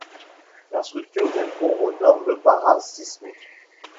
La structure répond aux normes parasismiques.